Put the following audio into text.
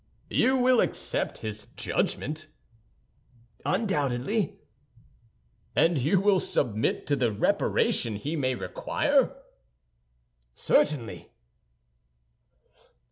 "You will accept his judgment?" "Undoubtedly." "And you will submit to the reparation he may require?" "Certainly."